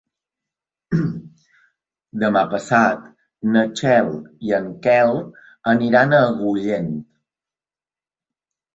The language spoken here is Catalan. Demà passat na Txell i en Quel aniran a Agullent.